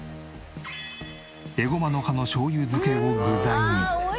エゴマの葉のしょうゆ漬けを具材に。